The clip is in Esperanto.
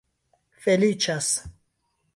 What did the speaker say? feliĉas